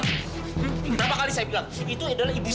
pertama kali saya bilang itu adalah ibu saya